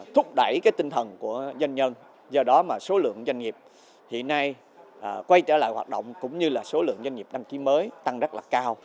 thúc đẩy cái tinh thần của doanh nhân do đó mà số lượng doanh nghiệp hiện nay quay trở lại hoạt động cũng như là số lượng doanh nghiệp đăng ký mới tăng rất là cao